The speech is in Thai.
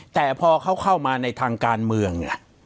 แต่พอเขาเข้ามาในทางการเมือง